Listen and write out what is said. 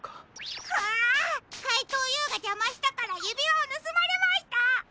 かいとうＵがじゃましたからゆびわをぬすまれました。